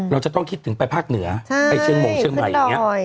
เราจะต้องคิดถึงไปภาคเหนือไปเชียงมงเชียงใหม่อย่างนี้